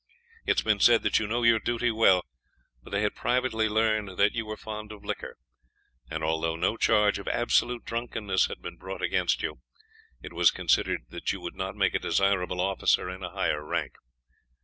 It has been said that you know your duty well; but they had privately learned that you were fond of liquor; and although no charge of absolute drunkenness had been brought against you, it was considered that you would not make a desirable officer in a higher rank.